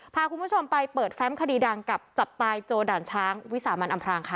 พาคุณผู้ชมไปเปิดแฟมคดีดังกับจับตายโจด่านช้างวิสามันอำพรางค่ะ